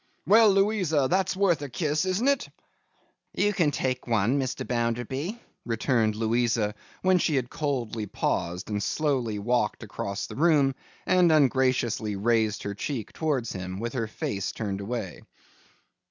Well, Louisa, that's worth a kiss, isn't it?' 'You can take one, Mr. Bounderby,' returned Louisa, when she had coldly paused, and slowly walked across the room, and ungraciously raised her cheek towards him, with her face turned away.